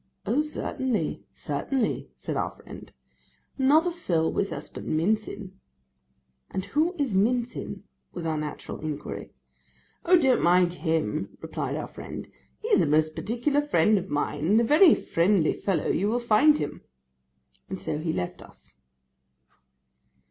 'Oh, certainly, certainly,' said our friend, 'not a soul with us but Mincin.' 'And who is Mincin?' was our natural inquiry. 'O don't mind him,' replied our friend, 'he's a most particular friend of mine, and a very friendly fellow you will find him;' and so he left us.